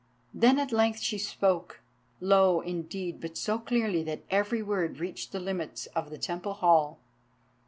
Then at length she spoke, low indeed, but so clearly that every word reached the limits of the Temple hall.